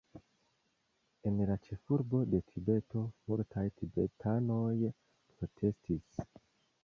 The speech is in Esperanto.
En la ĉefurbo de Tibeto, multaj tibetanoj protestis.